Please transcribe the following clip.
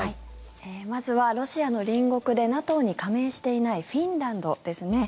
まずはロシアの隣国でＮＡＴＯに加盟していないフィンランドですね。